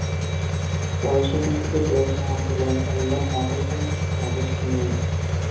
পরে সেখান থেকে বের হয়ে আন্দোলনকারীরা মডেল থানার সামনে অবস্থান নেন।